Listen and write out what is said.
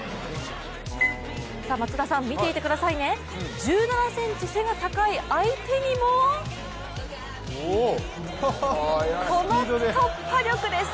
松田さん、見ていてくださいね１７ｃｍ背が高い相手にもこの突破力です。